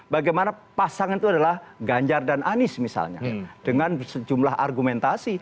bagaimana pasangan itu adalah ganjar dan anies misalnya dengan sejumlah argumentasi